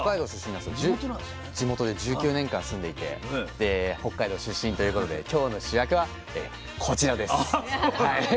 地元で１９年間住んでいてで北海道出身ということで今日の主役はこちらです。